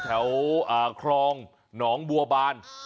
แถวคลองหนองบัวบาน